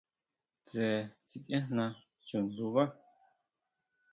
Tsé tsikʼiejna chundubá.